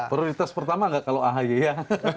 prioritas pertama nggak kalau ahy ya